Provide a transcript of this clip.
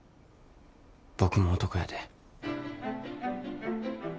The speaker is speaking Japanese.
僕も男やで。